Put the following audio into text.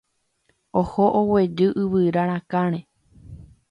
Oho oguejy yvyra rakãre